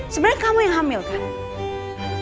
sebenarnya kamu yang hamil kan